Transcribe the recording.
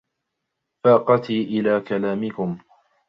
فَاقَتِي إلَى كَلَامِكُمْ